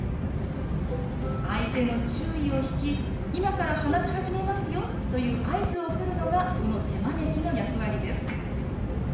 相手の注意を引き「今から話し始めますよ」という合図を送るのがこの手招きの役割です。